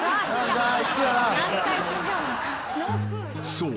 ［そう。